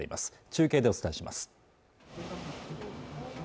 中継でお伝えします